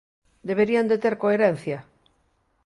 ¡Deberían de ter coherencia!